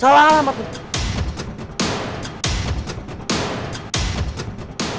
salah alamat gimana